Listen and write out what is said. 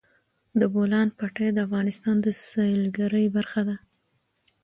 د بولان پټي د افغانستان د سیلګرۍ برخه ده.